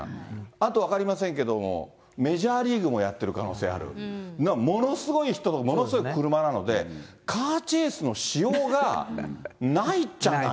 あと分かりませんけども、メジャーリーグもやってる可能性ある、だからものすごい人、ものすごい車なので、カーチェイスのしようがないっちゃない。